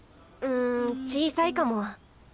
うん小さいかも。